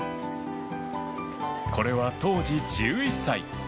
これは当時１１歳。